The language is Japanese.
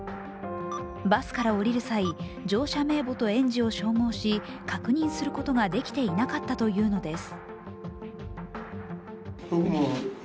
バスから降りる際、乗車名簿と園児を照合し、確認することができていなかったというのです。